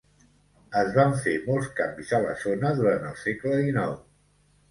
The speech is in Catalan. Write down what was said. Es van fer molts canvis a la zona durant el segle XIX.